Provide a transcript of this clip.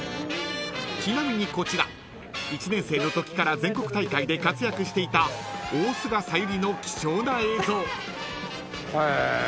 ［ちなみにこちら１年生のときから全国大会で活躍していた大菅小百合の貴重な映像］